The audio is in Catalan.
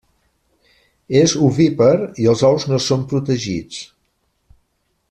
És ovípar i els ous no són protegits.